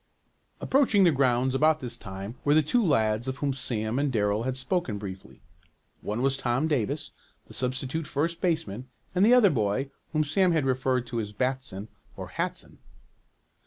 Approaching the grounds about this time were the two lads of whom Sam and Darrell had spoken briefly. One was Tom Davis, the substitute first baseman and the other boy whom Sam had referred to as "Batson" or "Hatson."